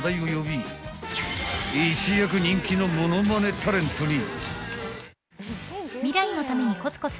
［一躍人気の物まねタレントに］